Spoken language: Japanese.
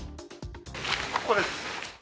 ここです。